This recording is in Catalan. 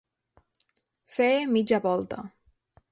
Fer mitja volta.